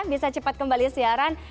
bisa cepat kembali siaran